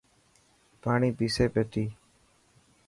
پاڻي پيسي پيتي.